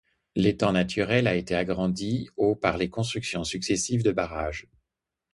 L'étang naturel a été agrandi au par les constructions successives de barrages.